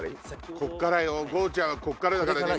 こっからよＧＯちゃんはこっからだからねみんな。